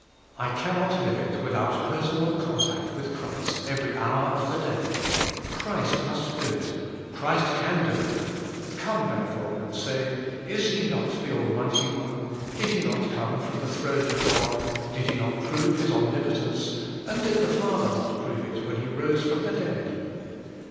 I cannot live it without personal contact with Christ every hour of the day. Christ must do it; Christ can do it. Come therefore and say: ''Is He not the Almighty One; did He not come from the throne of God; did He not prove His omnipotence, and did the Father not prove it when He rose from the dead?"